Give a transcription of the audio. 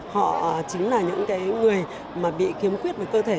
họ chính là những cái người mà bị kiếm quyết với cơ thể